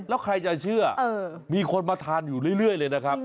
แล้วใครจะเชื่อมีคนมาทานอยู่เรื่อยเลยนะครับ